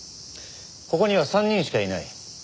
ここには３人しかいない。